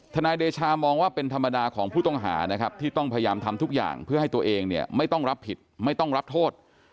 นายเดชามองว่าเป็นธรรมดาของผู้ต้องหานะครับที่ต้องพยายามทำทุกอย่างเพื่อให้ตัวเองเนี่ยไม่ต้องรับผิดไม่ต้องรับโทษ